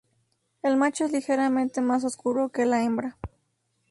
El macho es ligeramente más oscuro que la hembra.